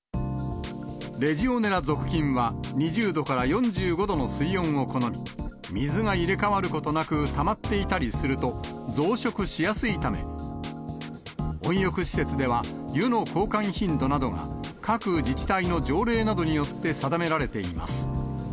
レジオネラ属菌は、２０度から４５度の水温を好み、水が入れ代わることなくたまっていたりすると増殖しやすいため、温浴施設では湯の交換頻度などが、各自治体の条例などによって定められています。